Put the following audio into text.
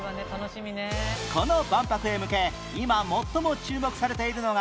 この万博へ向け今最も注目されているのが